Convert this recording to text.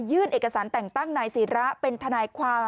เอกสารแต่งตั้งนายศิระเป็นทนายความ